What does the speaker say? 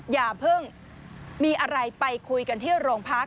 อย่าเพิ่งมีอะไรไปคุยกันที่โรงพัก